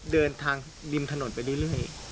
เดินทางริมถนนไปเรื่อย